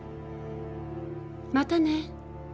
またね